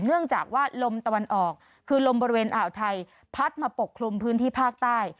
เนื่องจากว่าลมตะวันออกคือลมบริเวณอ่าวไทยพัดมาปกคลุมพื้นที่ภาคใต้